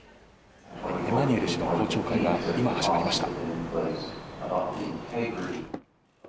エマニュエル氏の公聴会が今始まりました。